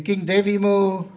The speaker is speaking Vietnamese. kinh tế vi mô